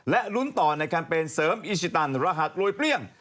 และลุ้นต่อในแคมเปญเสริมอีชิตันรหัสรวยเปรี้ยง